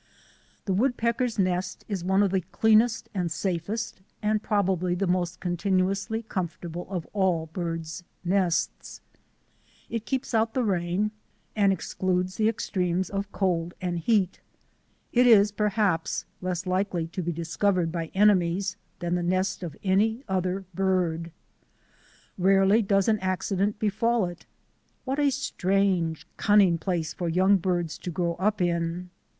The woodpecker's nest is one of the cleanest j and safest and probably the most continuously j comfortable of all birds' nests. It keeps out the ! rain and excludes the extremes of cold and heat. 26 THE ADVENTURES OF A NATURE GUIDE It is perhaps less likely to be discovered by enemies than the nest of any other bird. Rarely does an accident befall it. What a strange, cunning place for young birds to grow up in!